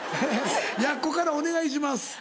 やっこからお願いします。